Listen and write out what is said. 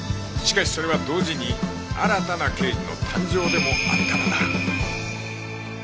しかしそれは同時に新たな刑事の誕生でもあったのだ